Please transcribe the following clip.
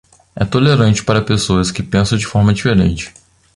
É tolerante para pessoas que pensam de forma diferente.